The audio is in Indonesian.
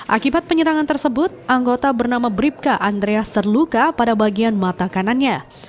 akibat penyerangan tersebut anggota bernama bribka andreas terluka pada bagian mata kanannya